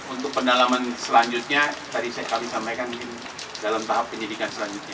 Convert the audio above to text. untuk pendalaman selanjutnya tadi saya kali sampaikan dalam tahap penyidikan selanjutnya